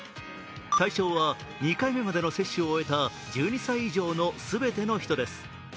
対象は２回目までの接種を終えた１２歳以上の全ての人です。